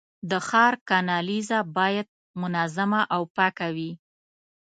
د ښار کانالیزه باید منظمه او پاکه وي.